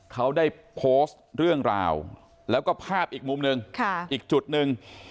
เขาได้โพสต์เรื่องราวแล้วก็ภาพอีกมุมหนึ่งอีกจุดหนึ่ง